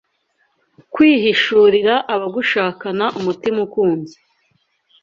kwihishurira abagushakana umutima ukunze